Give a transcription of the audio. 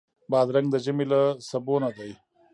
بادرنګ د ژمي له سبو نه دی.